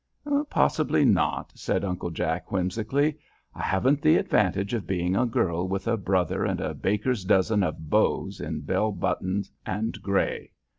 "Possibly not," says Uncle Jack, whimsically. "I haven't the advantage of being a girl with a brother and a baker's dozen of beaux in bell buttons and gray.